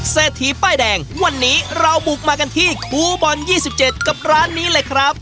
เศรษฐีป้ายแดงวันนี้เราบุกมากันที่ครูบอล๒๗กับร้านนี้เลยครับ